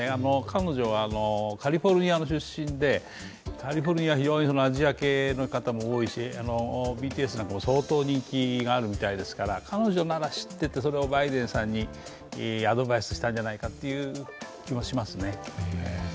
彼女はカリフォルニアの出身でカリフォルニアは非常にアジア系の方も多いしＢＴＳなんかも相当人気があるみたいですから彼女なら知っていて、それをバイデンさんにアドバイスしたんじゃないかという気もしますね。